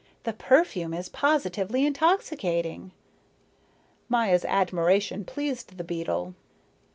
"The perfume is positively intoxicating." Maya's admiration pleased the beetle.